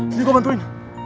sini gue bantuin